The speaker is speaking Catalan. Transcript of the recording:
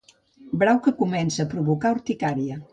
Brau que comença a provocar urticària.